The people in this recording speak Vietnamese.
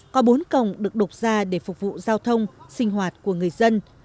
có bốn cổng được đục ra để phục vụ giao thông sinh hoạt của người dân